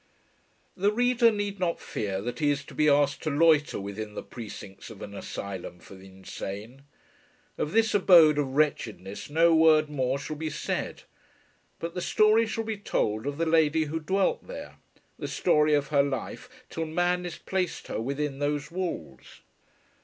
The reader need not fear that he is to be asked to loiter within the precincts of an asylum for the insane. Of this abode of wretchedness no word more shall be said; but the story shall be told of the lady who dwelt there, the story of her life till madness placed her within those walls.